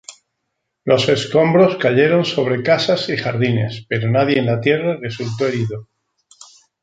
Los escombros cayeron sobre casas y jardines, pero nadie en la tierra resultó herido.